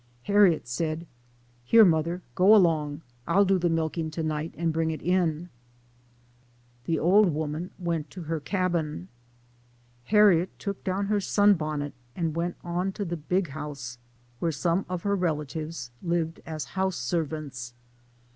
Harriet said, " Here, mother, go 'long; I'll do the niilkin' to night and bring it in." The old woman went to her cabin. Harriet took down her sun bonnet, and went on to the " big house," where some of her relatives lived as house servants.